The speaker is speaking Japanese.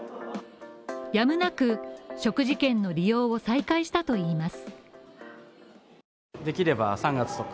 やむなく食事券の利用を再開したといいます。